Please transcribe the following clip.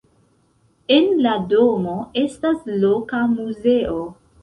En la domo estas loka muzeo.